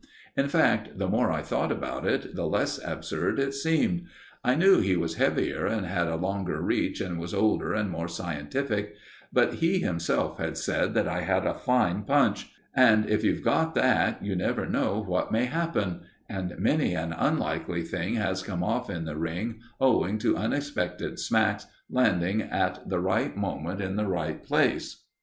In fact, the more I thought about it, the less absurd it seemed. I knew he was heavier and had a longer reach and was older and more scientific; but he himself had said that I had a fine punch; and if you've got that, you never know what may happen; and many an unlikely thing has come off in the ring owing to unexpected smacks landing at the right moment in the right place.